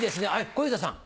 小遊三さん。